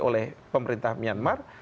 oleh pemerintah myanmar